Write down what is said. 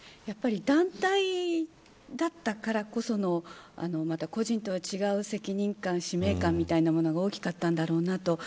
団体だったからこその個人とは違う責任感、使命感みたいなものが大きかったんだろうなと。